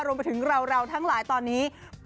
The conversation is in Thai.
รวมไปถึงเราทั้งหลายตอนนี้